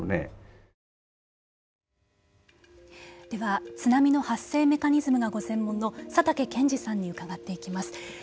では、津波の発生メカニズムがご専門の佐竹健治さんに伺っていきます。